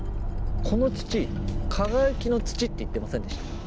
この土「かがやきの土」って言ってませんでした？